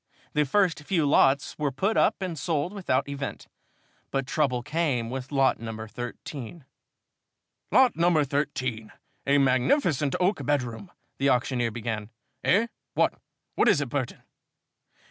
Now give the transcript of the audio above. The first few lots were put up and sold without event, but trouble came with lot number 13. "Lot number 13 a magnificent oak bedroom " the auctioneer began. "Eh? What? What is it, Burton?"